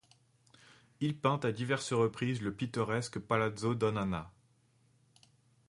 Il peint à diverses reprises le pittoresque Palazzo Donn'Anna.